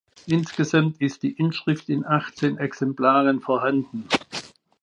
Insgesamt ist die Inschrift in achtzehn Exemplaren vorhanden.